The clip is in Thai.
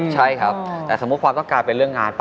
ใช่ครับแต่สมมุติความต้องการเป็นเรื่องงานป่